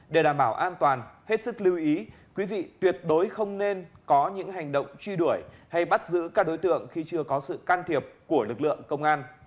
để đảm bảo an toàn hết sức lưu ý quý vị tuyệt đối không nên có những hành động truy đuổi hay bắt giữ các đối tượng khi chưa có sự can thiệp của lực lượng công an